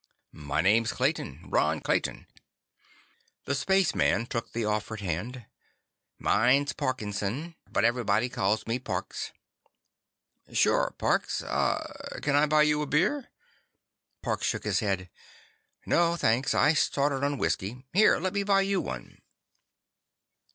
"My name's Clayton. Ron Clayton." The spaceman took the offered hand. "Mine's Parkinson, but everybody calls me Parks." "Sure, Parks. Uh—can I buy you a beer?" Parks shook his head. "No, thanks. I started on whiskey. Here, let me buy you one."